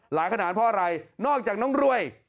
ขนาดเพราะอะไรนอกจากน้องรวย